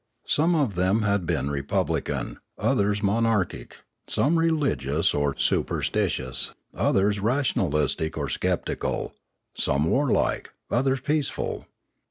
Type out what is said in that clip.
Some of them had been republican, others monarchic, some religious or superstitious, others rationalistic or sceptical, some warlike, others peaceful.